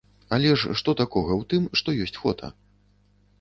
Але ж што такога ў тым, што ёсць фота?